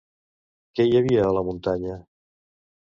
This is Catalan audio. Què hi havia a la muntanya?